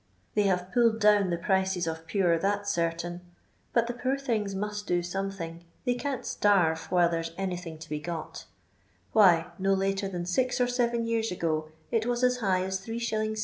They have pulled down the price of Pure, that 's certain ; but the poor things must do something, they can't starve while there's anything to be got Why, no later than six or seven yeara ago, it was aa high as diik td.